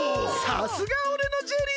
さすがおれのジェリー！